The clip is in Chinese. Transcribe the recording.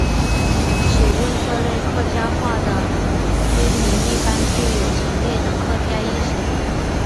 使用这类客家话的居民一般具有强烈的客家意识。